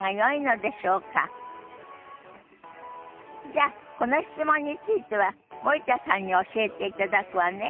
じゃあこの質問については森田さんに教えていただくわね。